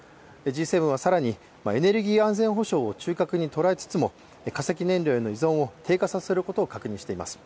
Ｇ７は更に、エネルギー安全保障を中核に捉えつつも、化石燃料への依存を低下させるとしています。